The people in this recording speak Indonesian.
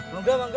ya udah banggo